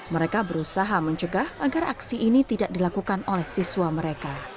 mereka berusaha mencegah agar aksi ini tidak dilakukan oleh siswa mereka